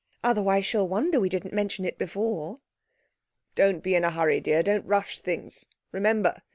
Otherwise she'll wonder we didn't mention it before.' 'Don't be in a hurry, dear. Don't rush things; remember...